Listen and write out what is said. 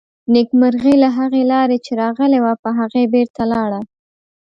نېکمرغي له هغې لارې چې راغلې وه، په هغې بېرته لاړه.